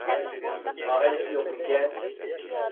ئائىلىسى يوقمىكەن؟